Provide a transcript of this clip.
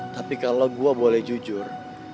tapi kalau gue boleh jujur